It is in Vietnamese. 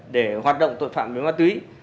để hoạt động tội phạm với ma túy